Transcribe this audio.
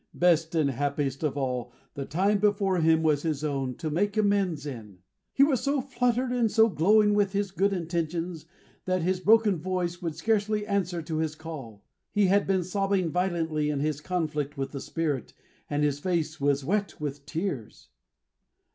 Best and happiest of all, the time before him was his own, to make amends in! He was so fluttered and so glowing with his good intentions, that his broken voice would scarcely answer to his call. He had been sobbing violently in his conflict with the Spirit, and his face was wet with tears.